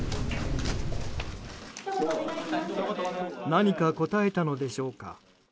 何か答えたのでしょうか。